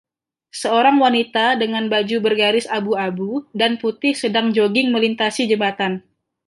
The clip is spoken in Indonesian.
Seorang wanita dengan baju bergaris abu-abu dan putih sedang jogging melintasi jembatan.